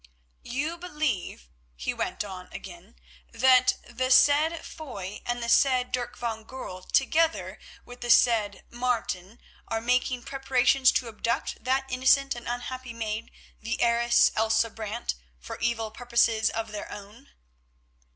"You believe," he went on again, "that the said Foy and the said Dirk van Goorl, together with the said Martin, are making preparations to abduct that innocent and unhappy maid, the heiress, Elsa Brant, for evil purposes of their own?"